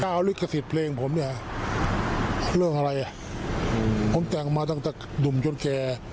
เอาลิขสิทธิ์เพลงผมเนี่ยเรื่องอะไรอ่ะผมแต่งมาตั้งแต่หนุ่มจนแก่